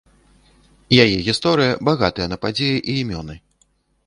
Яе гісторыя багатая на падзеі і імёны.